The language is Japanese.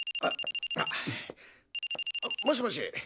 もしもし？